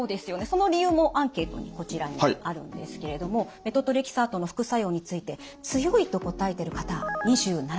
その理由もアンケートにこちらにあるんですけれどもメトトレキサートの副作用について「強い」と答えてる方２７％。